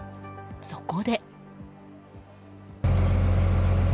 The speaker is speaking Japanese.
そこで。